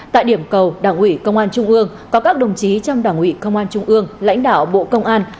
tại điểm cầu đảng ủy công an trung ương có các đồng chí trong đảng ủy công an trung ương lãnh đạo bộ công an